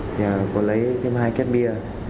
thì có lấy thêm hai két bia